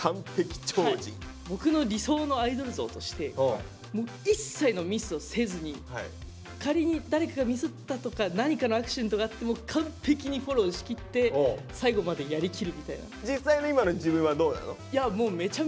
僕の理想のアイドル像としてもう一切のミスをせずに仮に誰かがミスったとか何かのアクシデントがあっても完璧にフォローしきって実際の今の自分はどうなの？